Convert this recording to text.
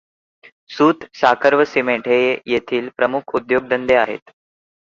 सुत, साखर व सिमेंट हे येथील प्रमुख उद्योगधंदे आहेत.